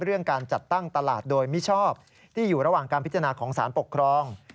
เรื่องการจัดตั้งตลาดโดยมิชอบที่อยู่ระหว่างการพิจารณาของสารปกครอง